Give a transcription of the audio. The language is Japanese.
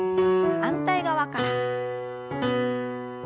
反対側から。